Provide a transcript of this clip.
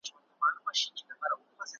څو ښکلیو او رنګینو ونو ته نظر واوښت `